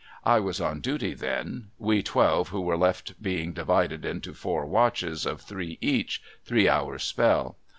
I was on duty then ; we twehe who were left being divided into four watches of three each, three hours' spell.